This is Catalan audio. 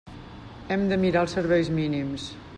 Hem de mirar els serveis mínims.